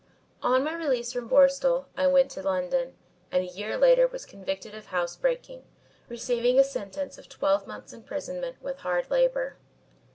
"On my release from Borstal I went to London, and a year later was convicted of house breaking, receiving a sentence of twelve months' imprisonment with hard labour.